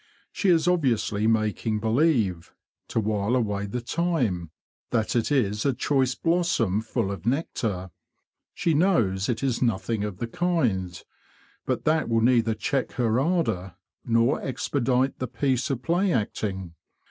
She is obviously making believe, to while away the time, that it is a choice blossom full of nectar. She knows it is nothing of the kind; but that will neither check her ardour nor expedite the piece of play acting.